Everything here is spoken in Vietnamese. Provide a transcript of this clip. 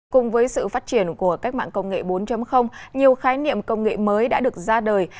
cùng với sự phát triển của cách mạng công nghệ bốn nhiều khái niệm công nghệ mới đã được ra đời